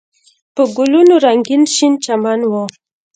په ګلونو رنګین شین چمن و.